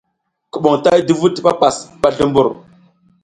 Kuɓom tay duvuɗ ti papas ɓa zlumbur.